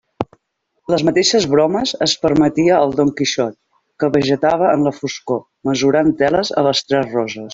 Les mateixes bromes es permetia el Don Quixot que vegetava en la foscor, mesurant teles a Les Tres Roses.